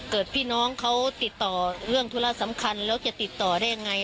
พี่น้องเขาติดต่อเรื่องธุระสำคัญแล้วจะติดต่อได้ยังไง